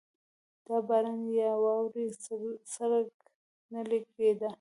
د باران یا واورې څرک نه لګېده.